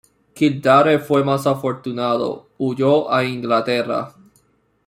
Kildare fue más afortunado: huyó a Inglaterra.